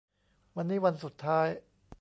วันนี้วันสุดท้าย